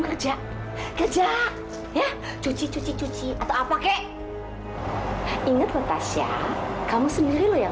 emosi pelajaran dia